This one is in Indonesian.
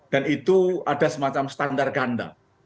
dan itu ada semacam standar ganda